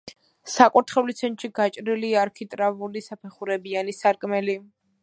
საკურთხევლის ცენტრში გაჭრილია არქიტრავული, საფეხურებიანი სარკმელი.